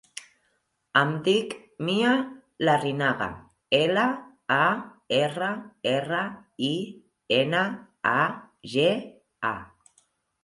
Em dic Mia Larrinaga: ela, a, erra, erra, i, ena, a, ge, a.